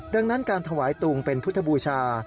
ดังนั้นการถวายตุงเป็นพุทธบูชา